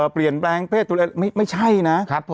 เปลี่ยนแปลงเพศไม่ใช่นะ